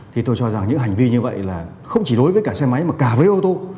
thì tôi cho rằng những hành vi như vậy là không chỉ đối với cả xe máy mà cả với ô tô